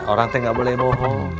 orang teh nggak boleh bohong